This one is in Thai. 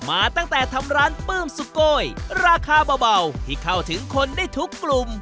มาตั้งแต่ทำร้านปื้มสุโกยราคาเบาที่เข้าถึงคนได้ทุกกลุ่ม